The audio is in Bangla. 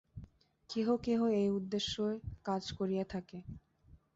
কেহ কেহ এই উদ্দেশ্যে কাজ করিয়া থাকে।